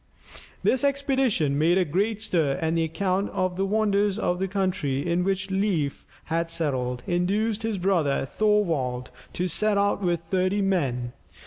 This expedition made a great stir, and the account of the wonders of the country in which Leif had settled, induced his brother Thorvald, to set out with thirty men.